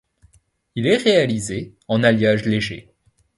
Il est réalisé en alliage léger.